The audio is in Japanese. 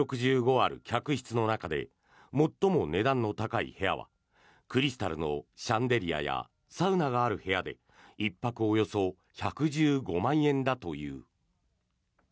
ある客室の中で最も値段の高い部屋はクリスタルのシャンデリアやサウナがある部屋で１泊およそ１１５万円だという。